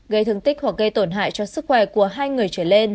gây thương tích hoặc gây tổn hại cho sức khỏe của một người